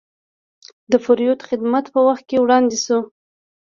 د پیرود خدمت په وخت وړاندې شو.